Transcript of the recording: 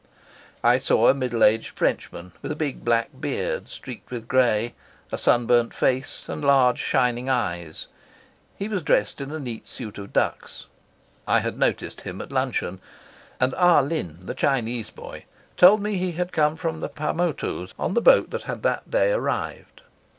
I saw a middle aged Frenchman with a big black beard, streaked with gray, a sunburned face, and large, shining eyes. He was dressed in a neat suit of ducks. I had noticed him at luncheon, and Ah Lin, the Chinese boy, told me he had come from the Paumotus on the boat that had that day arrived.